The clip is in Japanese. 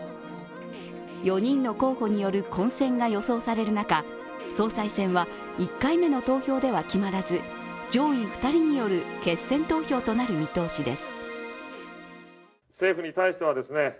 ４人の候補による混戦が予想される中、総裁選は１回目の投票では決まらず上位２人による決選投票となる見通しです。